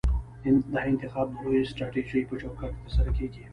دا انتخاب د لویې سټراټیژۍ په چوکاټ کې ترسره کیږي.